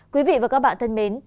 quý vị và các bạn thân mến